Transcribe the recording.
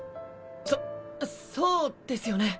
そそうですよね。